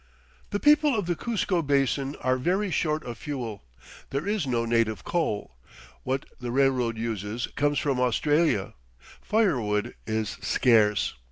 The people of the Cuzco Basin are very short of fuel. There is no native coal. What the railroad uses comes from Australia. Firewood is scarce.